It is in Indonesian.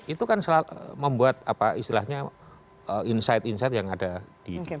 itu kan membuat apa istilahnya insight insight yang ada di